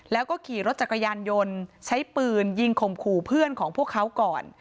แล้วก็ขี่รถจักรยานยนต์ใช้ปืนยิงข่มขู่เพื่อนของพวกเขาก่อน